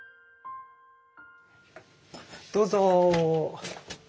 どうぞ。